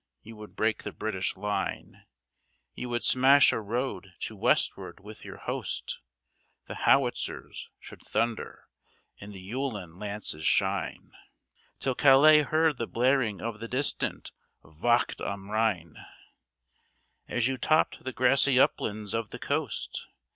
You would break the British line, You would smash a road to westward with your host, The howitzers should thunder and the Uhlan lances shine Till Calais heard the blaring of the distant "Wacht am Rhein," As you topped the grassy uplands of the coast.